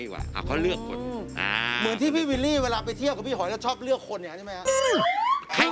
เหมือนที่พี่วิลลี่เวลาที่เทียบกับพี่หอยแล้วชอบเลือกคนอย่างงี้